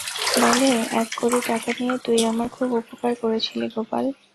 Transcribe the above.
বলে, এক কড়ি টাকা নিয়ে তুই আমার খুব উপকার করেছিলি গোপাল।